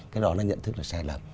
cái đó nó nhận thức là sai lầm